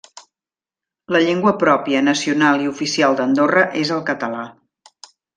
La llengua pròpia, nacional i oficial d'Andorra és el català.